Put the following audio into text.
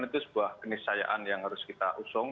itu sebuah kenisayaan yang harus kita usung